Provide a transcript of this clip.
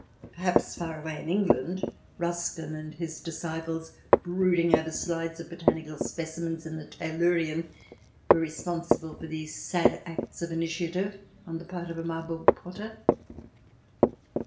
Perhaps far away in Eng land, Ruskin and his disciples, brooding over slides of botanical specimens in the Tayleurian, were responsible for these sad acts of initiative on the part of a Marburg potter